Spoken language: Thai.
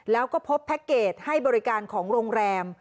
แล้วก็พบแพ็คเกจให้บริการของโรงแรม